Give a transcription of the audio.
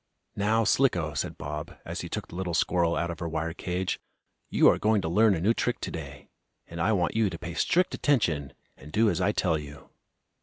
"Now, Slicko," said Bob, as he took the little squirrel out of her wire cage, "you are going to learn a new trick to day. And I want you to pay strict attention, and do as I tell you."